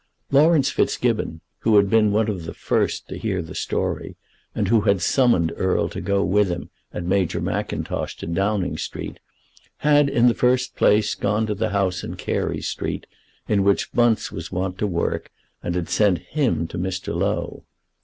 Laurence Fitzgibbon, who had been one of the first to hear the story, and who had summoned Erle to go with him and Major Mackintosh to Downing Street, had, in the first place, gone to the house in Carey Street, in which Bunce was wont to work, and had sent him to Mr. Low.